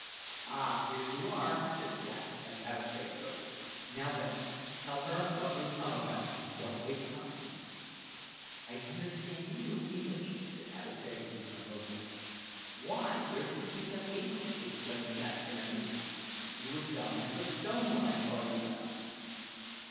"Ah, here you are!" said Jack as Avatea approached. "Now, then, tell her what we've come about, and don't waste time." "I understan' leetl' English," said Avatea in a low voice. "Why, where did you pick up English?" exclaimed Jack in amazement. "You were dumb as a stone when I saw you last."